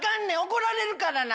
怒られるからな。